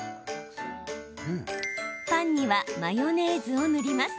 パンにはマヨネーズを塗ります。